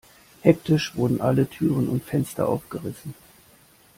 Hektisch wurden alle Türen und Fenster aufgerissen.